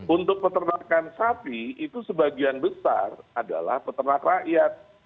untuk peternakan sapi itu sebagian besar adalah peternak rakyat